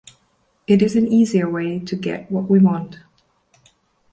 It is an easier way to get what we want.